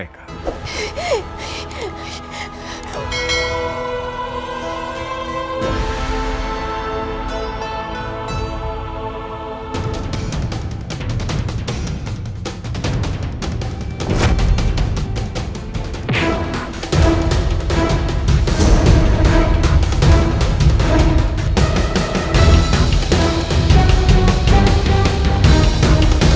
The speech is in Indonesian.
kanda akan menerima minuman itu